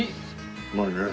うまいね。